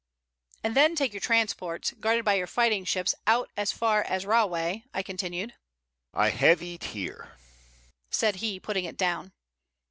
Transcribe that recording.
"And then take your transports, guarded by your fighting ships, out as far as Rahway " I continued. "I have it here," said he, putting it down.